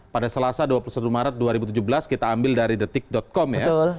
pada selasa dua puluh satu maret dua ribu tujuh belas kita ambil dari detik com ya